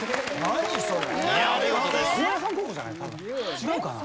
違うかな？